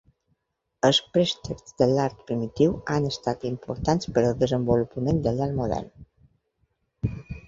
Els préstecs de l'art primitiu han estat importants per al desenvolupament de l'art modern.